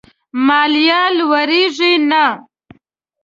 ماليه لوړېږي نه.